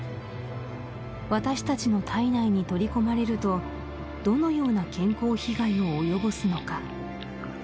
私たちの体内に取り込まれるとどのような健康被害を及ぼすのか？